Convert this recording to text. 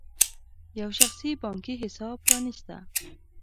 یو شخصي بانکي حساب پرانېسته.